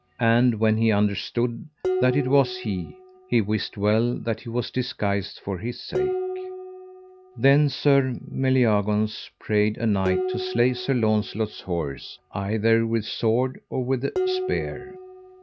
And when he understood that it was he, he wist well that he was disguised for his sake. Then Sir Meliagaunce prayed a knight to slay Sir Launcelot's horse, either with sword or with spear.